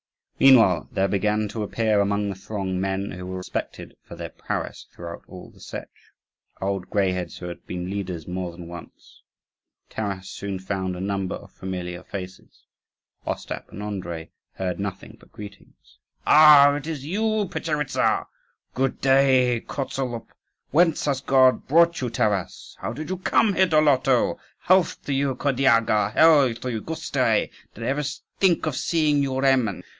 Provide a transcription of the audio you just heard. Meanwhile there began to appear among the throng men who were respected for their prowess throughout all the Setch old greyheads who had been leaders more than once. Taras soon found a number of familiar faces. Ostap and Andrii heard nothing but greetings. "Ah, it is you, Petcheritza! Good day, Kozolup!" "Whence has God brought you, Taras?" "How did you come here, Doloto? Health to you, Kirdyaga! Hail to you, Gustui! Did I ever think of seeing you, Remen?"